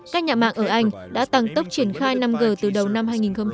các nhà mạng ở anh đã tăng tốc triển khai năm g từ đầu năm hai nghìn hai mươi